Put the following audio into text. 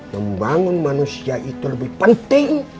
membangun manusia itu lebih penting